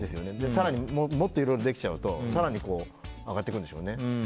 更にもっといろいろできちゃうと更に上がってくんでしょうね。